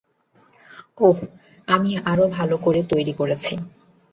ওহ, আমি আরো ভালো করে তৈরি করেছি।